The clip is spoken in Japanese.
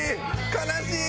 悲しい！